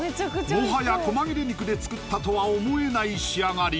もはや小間切れ肉で作ったとは思えない仕上がり